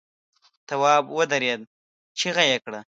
تواب ودرېد، چيغه يې کړه!